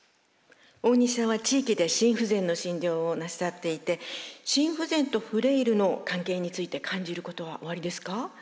大西さんは地域で心不全の診療をなさっていて心不全とフレイルの関係について感じることはおありですか？